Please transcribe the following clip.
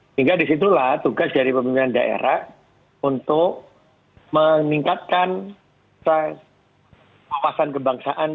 sehingga disitulah tugas dari pemerintah daerah untuk meningkatkan wawasan kebangsaan